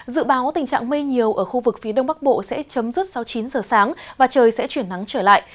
dự báo tình trạng mây nhiều ở khu vực phía đông bắc bộ sẽ chấm dứt sau chín giờ sáng và trời sẽ chuyển nắng trở lại